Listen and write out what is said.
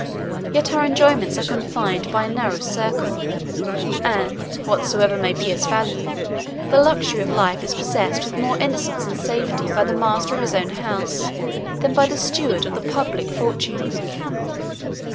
Yet our enjoyments are confined by a narrow circle; and, whatsoever may be its value, the luxury of life is possessed with more innocence and safety by the master of his own, than by the steward of the public, fortune.